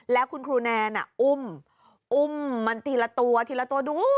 แล้วคุณครูแนนอุ้มอุ้มมันทีละตัวทีละตัวดู